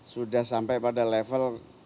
sudah sampai pada level